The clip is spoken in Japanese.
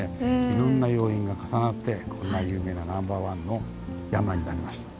いろんな要因が重なってこんな有名なナンバーワンの山になりました。